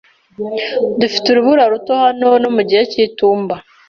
Dufite urubura ruto hano no mu gihe cy'itumba.